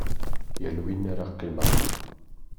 Yal win ara qqimeɣ.